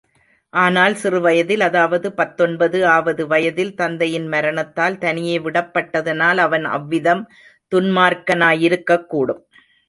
ஆனால் சிறுவயதில், அதாவது பத்தொன்பது ஆவது வயதில், தந்தையின் மரணத்தால் தனியே விடப்பட்டதனால் அவன் அவ்விதம் துன்மார்க்கனாயிருக்கக்கூடும்.